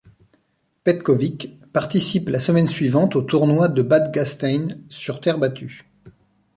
Petkovic participe la semaine suivante au tournoi de Bad Gastein sur terre battue.